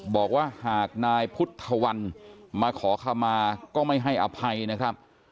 บอกว่าหากนายพุทธวันมาขอขมาก็ไม่ให้อภัยนะครับ